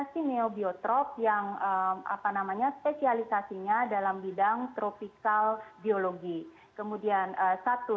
simeobiotrop yang apa namanya spesialisasinya dalam bidang tropikal biologi kemudian satu